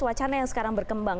wacana yang sekarang berkembang